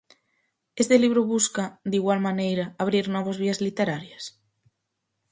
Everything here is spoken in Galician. Este libro busca, de igual maneira, abrir novas vías literarias?